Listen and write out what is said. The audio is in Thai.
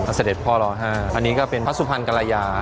อาศเด็จพ่อลอห้าอันนี้ก็เป็นพระสุพรรณกระลายา